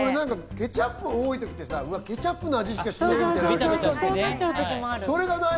ケチャップ多い時ってさ、ケチャップの味しかしねぇみたいな時あるじゃない。